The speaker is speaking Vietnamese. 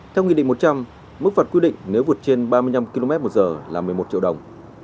theo nghị định một trăm linh mức phạt quy định nếu vượt trên ba mươi năm kmh là một mươi một triệu đồng